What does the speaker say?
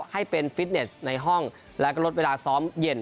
ให้เป็นฟิตเนสในห้องแล้วก็ลดเวลาซ้อมเย็น